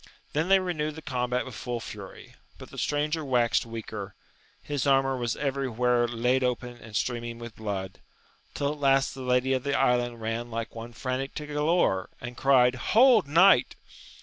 Then they renewed the combat with full fury ; but the stranger waxed Weaker, his armour was every where laid open and streaming with blood, till at last the lady of the island ran like one frantic to Galaor, and cried. Hold, knight